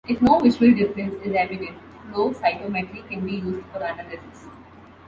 If no visual difference is evident, flow cytometry can be used for analysis.